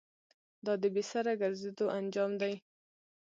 دا د بې سره گرځېدو انجام دی.